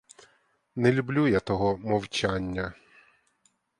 Не люблю я того мовчання.